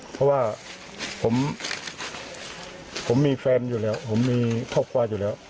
เพราะว่าผมมีแฟนอยู่แล้วผมมีครอบครัวอยู่แล้ว